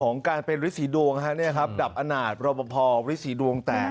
ของการเป็นฤทธิ์ศรีดวงครับดับอาณาจรบภพฤทธิ์ศรีดวงแตก